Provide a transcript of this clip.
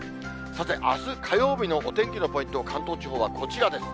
さて、あす火曜日のお天気のポイント、関東地方はこちらです。